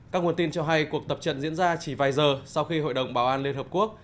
các nguồn tin cho hay cuộc tập trận diễn ra chỉ vài giờ sau khi hội đồng bảo an liên hợp quốc